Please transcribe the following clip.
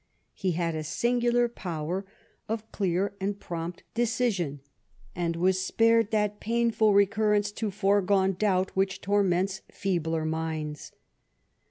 He had a singular power of clear and prompt decision ; and was spared that painful recurrence to foregone doubt which torments feebler minds.